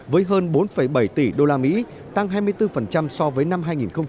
với hơn bốn bảy tỷ usd tăng hai mươi bốn so với năm hai nghìn một mươi bảy